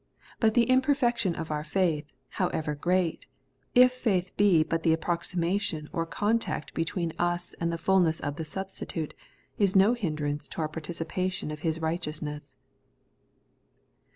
But the imperfection of our faith, however great, if faith be but the ap proximation or contact between us and the fulness of the substitute, is no hindrance to our participation of His righteousness.